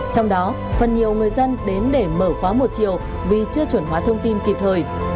trong đó phần nhiều người dân đến để mở khóa một chiều vì chưa chuẩn hóa thông tin kịp thời